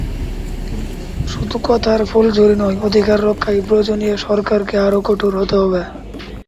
শুধু কথার ফুলঝুরি নয়, অধিকার রক্ষায় প্রয়োজনে সরকারকে আরও কঠোর হতে হবে।